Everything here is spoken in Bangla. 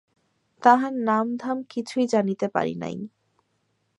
তাহার নাম ধাম কিছুই জানিতে পারি নাই।